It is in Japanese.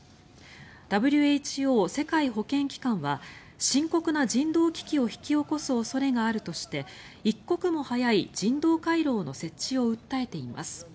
ＷＨＯ・世界保健機関は深刻な人道危機を引き起こす恐れがあるとして一刻も早い人道回廊の設置を訴えています。